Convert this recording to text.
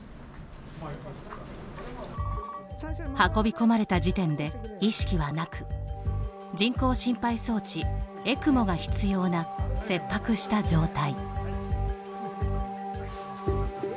運び込まれた時点で意識はなく人工心肺装置・エクモが必要な切迫した状態。